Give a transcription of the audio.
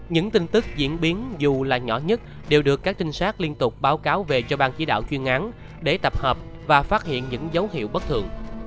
những tin tức diễn biến dù là nhỏ nhất đều được các trinh sát liên tục báo cáo về cho ban chỉ đạo chuyên án để tập hợp và phát hiện những dấu hiệu bất thường